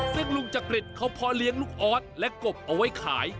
ซึ่งลุงจักริตเขาเพาะเลี้ยงลูกออสและกบเอาไว้ขาย